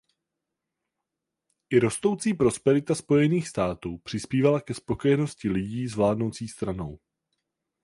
I rostoucí prosperita Spojených států přispívala ke spokojenosti lidí s vládnoucí stranou.